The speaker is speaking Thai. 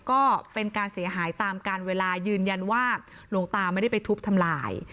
ก็เป็นการเสียหายตามการเวลายืนยันว่าหลวงตาไม่ได้ไปทุบทำลาย